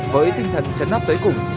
với tinh thần chấn nắp tới cùng